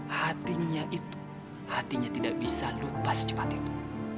hatinya itu hatinya tidak bisa lupa secepat itu